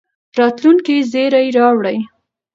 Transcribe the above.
راتلونکي زېری راوړي.